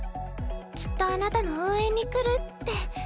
きっとあなたの応援に来るって。